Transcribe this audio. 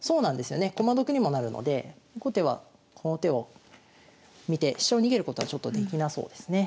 駒得にもなるので後手はこの手を見て飛車を逃げることはちょっとできなそうですね。